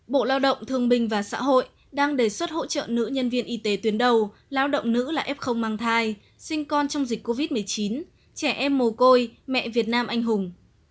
bộ lao động thương bình và xã hội đang đề xuất hỗ trợ nữ nhân viên y tế tuyến đầu lao động nữ là f mang thai sinh con trong dịch covid một mươi chín trẻ em mồ côi mẹ việt nam anh hùng